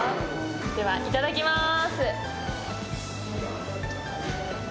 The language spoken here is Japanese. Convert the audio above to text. では、いただきまーす。